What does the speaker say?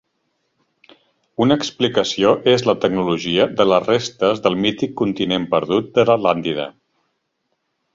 Una explicació és la tecnologia de les restes del mític continent perdut de l'Atlàntida.